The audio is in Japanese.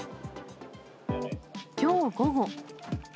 きょう午後。